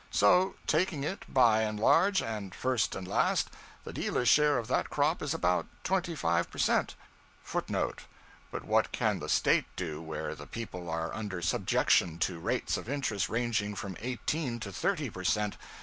So, taking it by and large, and first and last, the dealer's share of that crop is about 25 per cent.'{footnote ['But what can the State do where the people are under subjection to rates of interest ranging from 18 to 30 per cent.